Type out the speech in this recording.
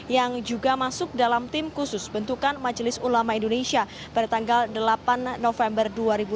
yang juga masuk dalam tim khusus bentukan majelis ulama indonesia pada tanggal delapan november dua ribu delapan belas